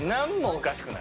おかしな。